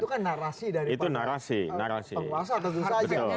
tapi itu kan narasi dari penguasa tentu saja